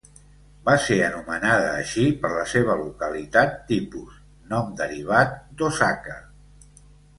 Va ser anomenada així per la seva localitat tipus; nom derivat d'Osaka.